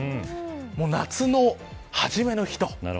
夏の初めの日と。